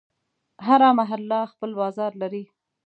هره محله خپل بازار لري.